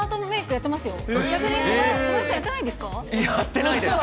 やってないです。